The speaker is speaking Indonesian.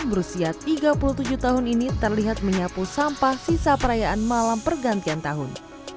berusia tiga puluh tujuh tahun ini terlihat menyapu sampah sisa perayaan malam pergantian tahun